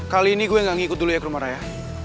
kali ini gue gak ngikut dulu ya ke rumah raya